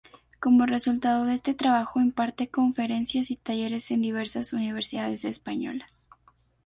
Como resultado de este trabajo imparte conferencias y talleres en diversas universidades españolas.